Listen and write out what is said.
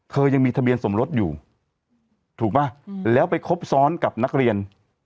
ยังมีทะเบียนสมรสอยู่ถูกป่ะแล้วไปครบซ้อนกับนักเรียน